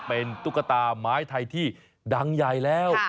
เป็นตุ๊กตาไม้ไทยที่ดังใหญ่แล้ว